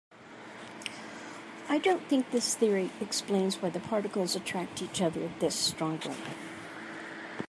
I don't think this theory explains why the particles attract each other this strongly.